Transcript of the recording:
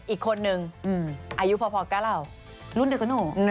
อีกคนนึงอายุพอ๙เรารุ่นเดียวกับหนู